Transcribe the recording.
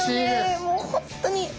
もう本当に。